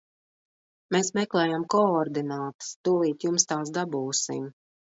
Mēs meklējam koordinātas, tūlīt jums tās dabūsim.